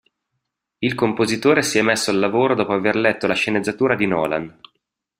Il compositore si è messo al lavoro dopo aver letto la sceneggiatura di Nolan.